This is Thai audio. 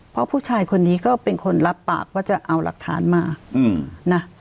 เพราะผู้ชายคนนี้ก็เป็นคนรับปากว่าจะเอาหลักฐานมานะ